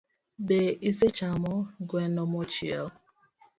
Be isechamo gweno mochiel?